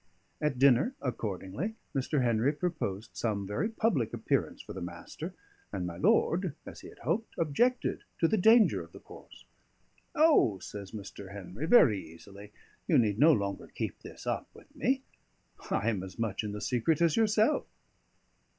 At dinner accordingly Mr. Henry proposed some very public appearance for the Master; and my lord, as he had hoped, objected to the danger of the course. "O!" says Mr. Henry, very easily, "you need no longer keep this up with me. I am as much in the secret as yourself."